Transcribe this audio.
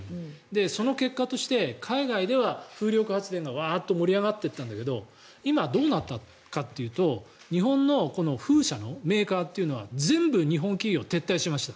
その結果として海外では風力発電が盛り上がっていったんだけど今、どうなったかというと日本の風車のメーカーというのは全部、日本企業撤退しました。